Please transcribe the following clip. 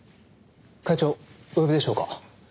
会長お呼びでしょうか？